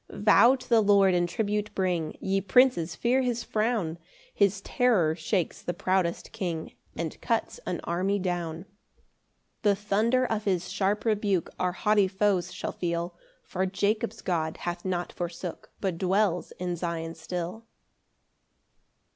9 [Vow to the Lord, and tribute bring, Ye princes, fear his frown: His terror shakes the proudest king, And cuts an army down. 10 The thunder of his sharp rebuke Our haughty foes shall feel: For Jacob's God hath not forsook, But dwells in Sion still.